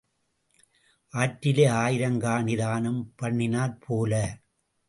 ஆற்றிலே ஆயிரம் காணி தானம் பண்ணினாற் போலே.